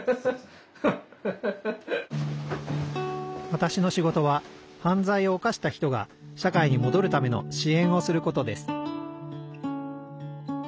わたしの仕事は犯罪を犯した人が社会にもどるための支援をすることです